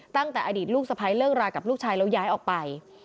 ตั้งแต่อดีตลูกสะพ้ายเลิกรากับลูกชายแล้วย้ายออกไป